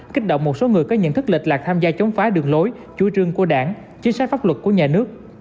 kích động một số người có nhận thức lệch lạc tham gia chống phá đường lối chủ trương của đảng chính sách pháp luật của nhà nước